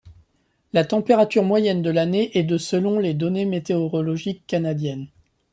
La température moyenne de l'année est de selon les données météorologiques canadiennes.